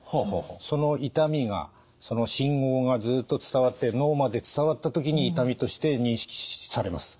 その痛みがその信号がずっと伝わって脳まで伝わった時に痛みとして認識されます。